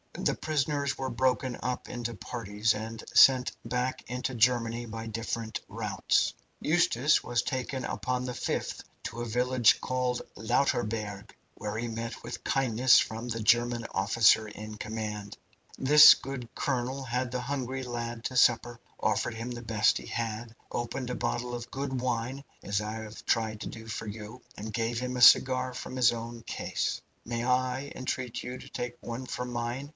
The prisoners were broken up into parties, and sent back into Germany by different routes. Eustace was taken upon the 5th to a village called Lauterburg, where he met with kindness from the German officer in command. This good colonel had the hungry lad to supper, offered him the best he had, opened a bottle of good wine, as I have tried to do for you, and gave him a cigar from his own case. Might I entreat you to take one from mine?"